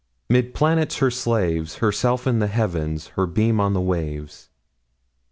'Mid planets her slaves, Herself in the Heavens, Her beam on the waves.